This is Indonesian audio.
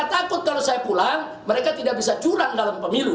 saya takut kalau saya pulang mereka tidak bisa curang dalam pemilu